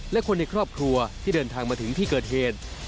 และคนในครอบครัวที่เดินทางมาถึงที่เกิดเหตุ